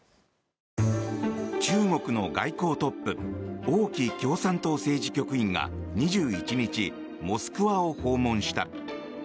中国の外交トップ王毅共産党政治局員が２１日、モスクワを訪問した。